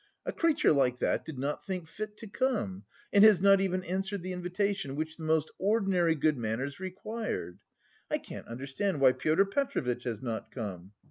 a creature like that did not think fit to come, and has not even answered the invitation, which the most ordinary good manners required! I can't understand why Pyotr Petrovitch has not come?